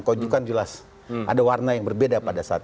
kau juga kan jelas ada warna yang berbeda pada saat itu